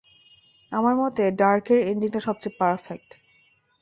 আমার মতে ডার্কের এন্ডিং সবচেয়ে পারফেক্ট।